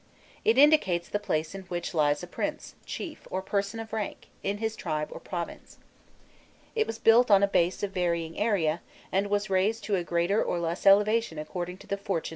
It indicates the place in which lies a prince, chief, or person of rank in his tribe or province. It was built on a base of varying area, and was raised to a greater or less elevation according to the fortune of the deceased or of his family.